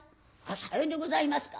「さようでございますか。